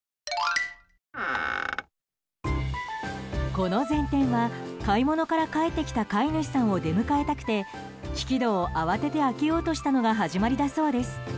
この前転は買い物から帰ってきた飼い主さんを出迎えたくて引き戸を慌てて開けようとしたのが始まりだそうです。